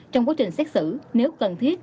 trong quá trình xét xử nếu cần thiết